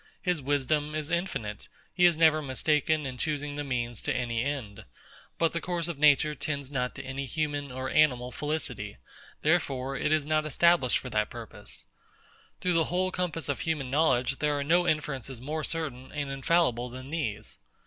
His wisdom is infinite: He is never mistaken in choosing the means to any end: But the course of Nature tends not to human or animal felicity: therefore it is not established for that purpose. Through the whole compass of human knowledge, there are no inferences more certain and infallible than these.